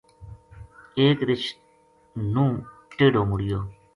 ایک رچھ نہوں ٹیڈو مڑیو